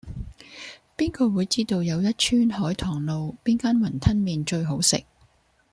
邊個會知道又一村海棠路邊間雲吞麵最好食